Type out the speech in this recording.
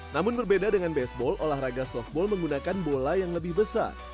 namun berbeda dengan baseball olahraga softball menggunakan bola yang lebih besar